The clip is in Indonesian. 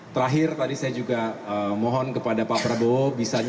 terakhir tadi saya juga mohon kepada pak prabowo